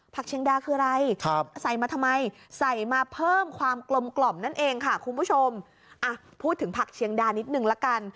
เชียงดาคืออะไรใส่มาทำไมใส่มาเพิ่มความกลมกล่อมนั่นเองค่ะคุณผู้ชมอ่ะพูดถึงผักเชียงดานิดนึงละกัน